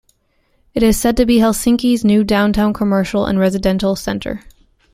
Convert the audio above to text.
It is said to be Helsinki's new downtown commercial and residential centre.